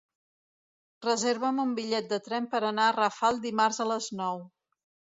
Reserva'm un bitllet de tren per anar a Rafal dimarts a les nou.